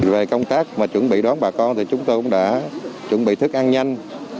về công tác mà chuẩn bị đón bà con thì chúng tôi cũng đã chuẩn bị thức ăn nhanh